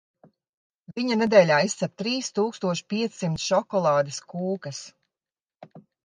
Viņa nedēļā izcep trīs tūkstoš piecsimt šokolādes kūkas.